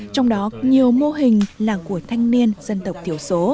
trong đó nhiều mô hình là của thanh niên dân tộc thiểu số